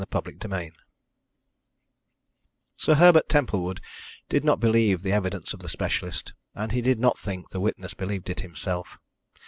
CHAPTER XVI Sir Herbert Templewood did not believe the evidence of the specialist, and he did not think the witness believed it himself.